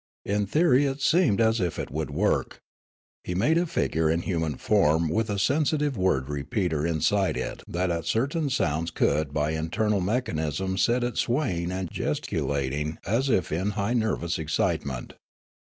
In theory it seemed as if it would work. He made a figure in human form with a sensitive word repeater inside it that at certain sounds could by internal mechanism set it swaying and gesticulating, as if in high nervous excitement.